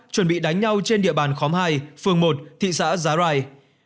chuẩn bị đánh nhau trên địa bàn khóm hai phường một thị xã giá rai